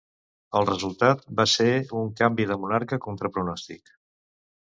El resultat va ser un canvi de monarca contra pronòstic.